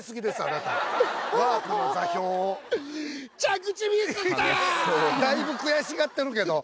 だいぶ悔しがってるけど。